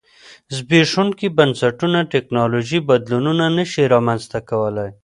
زبېښونکي بنسټونه ټکنالوژیکي بدلونونه نه شي رامنځته کولای